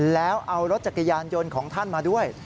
แล้วเอารถจักรยานยนต์ของท่านมาด้วย